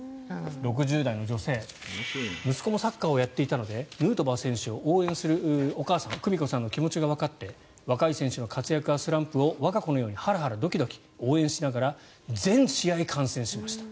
６０代の女性息子もサッカーをやっていたのでヌートバー選手を応援するお母さん久美子さんの気持ちがわかって若い選手の活躍やスランプを我が子のようにハラハラドキドキ応援しながら全試合観戦しました。